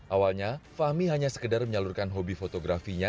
awalnya fahmi hanya sekedar menyalurkan hobi fotografinya